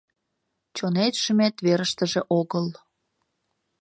Чонет-шӱмет верыштыже огыл.